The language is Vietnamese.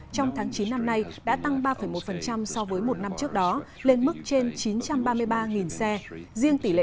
trong tháng chín năm nay đã tăng ba một so với một năm trước đó lên mức trên chín trăm ba mươi ba xe riêng tỷ lệ